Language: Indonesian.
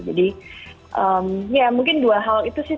jadi ya mungkin dua hal itu sih